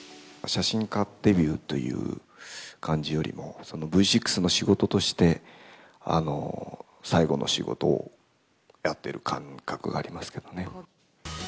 写真家デビューという感じよりも、そのＶ６の仕事として、最後の仕事をやってる感覚がありますけどね。